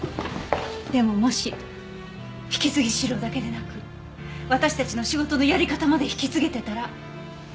でももし引き継ぎ資料だけでなく私たちの仕事のやり方まで引き継げてたら。